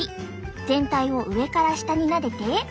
全体を上から下になでて。